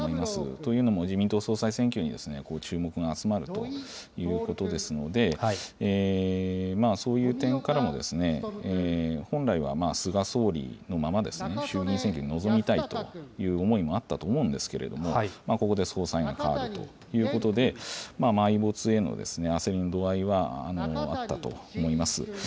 というのも、自民党総裁選挙に注目が集まるということですので、そういう点からも、本来は菅総理のまま、衆議院選挙に臨みたいという思いもあったと思うんですけれども、ここで総裁が代わるということで、埋没への焦りの度合いはあったと思います。